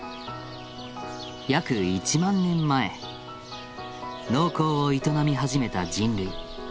約１万年前農耕を営み始めた人類。